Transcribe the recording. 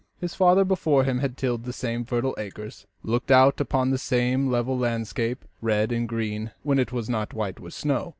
His father before him had tilled the same fertile acres, looked out upon the same level landscape red and green, when it was not white with snow.